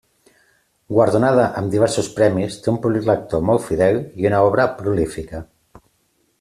Guardonada amb diversos premis, té un públic lector molt fidel i una obra prolífica.